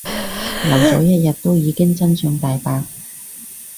留咗一日都已經真相大白